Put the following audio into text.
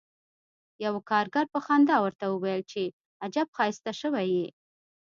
یوه کارګر په خندا ورته وویل چې عجب ښایسته شوی یې